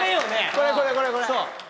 これこれこれこれ。